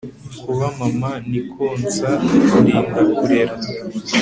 kuba mama ni konsa, kurinda, kurera